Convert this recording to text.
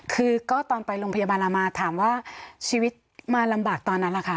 คือก็ตอนไปโรงพยาบาลลามาถามว่าชีวิตมาลำบากตอนนั้นล่ะคะ